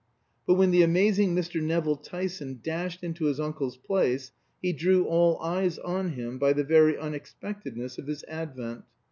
But when the amazing Mr. Nevill Tyson dashed into his uncle's place, he drew all eyes on him by the very unexpectedness of his advent.